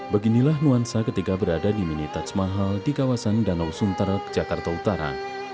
beginilah nuansa ketika berada di mini touch mahal di kawasan danau sunter jakarta utara